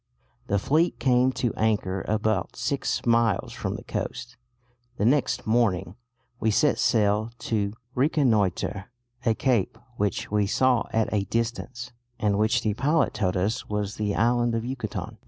The fleet came to anchor about six miles from the coast.... The next morning we set sail to reconnoitre a cape which we saw at a distance, and which the pilot told us was the island of Yucatan.